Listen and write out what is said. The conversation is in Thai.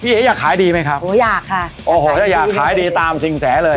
เอ๊ะอยากขายดีไหมครับโอ้อยากค่ะโอ้โหจะอยากขายดีตามสิ่งแสเลย